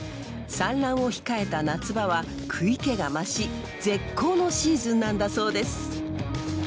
産卵を控えた夏場は食い気が増し絶好のシーズンなんだそうです。